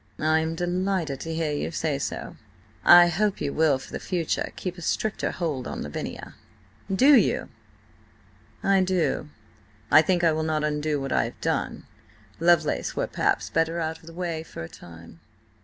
"I am delighted to hear you say so. I hope you will for the future keep a stricter hold over Lavinia." "Do you?" "I do. I think I will not undo what I have done; Lovelace were perhaps better out of the way for a time."